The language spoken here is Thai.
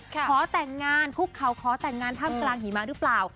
ขอแต่งงานคุกเขาขอแต่งงานท่ามกลางหิมะหรือเปล่า